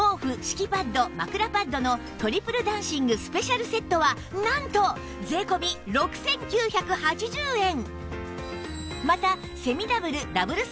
敷きパッド枕パッドのトリプル暖寝具スペシャルセットはなんと税込６９８０円！